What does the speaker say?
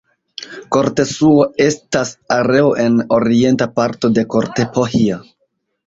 Kortesuo estas areo en orienta parto de Kortepohja.